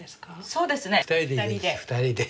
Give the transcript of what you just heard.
そうですね２人で。